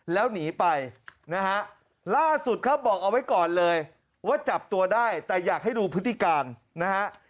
แล้วหนีไปนะฮะล่าสุดครับบอกเอาไว้ก่อนเลยว่าจับตัวได้แต่อยากให้ดูพฤติการนะฮะ